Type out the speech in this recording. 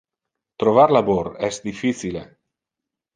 Trovar labor es difficile.